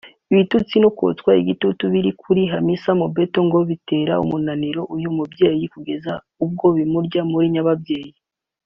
Ibitutsi no kotswa igitutu biri kuri Hamisa Mobeto ngo bitera umunabi uyu mubyeyi kugeza ubwo bimurya muri nyababyeyi